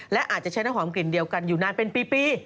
และอาจจะใช้น้ำหอมกลิ่นเดียวกันอยู่นานเป็นปี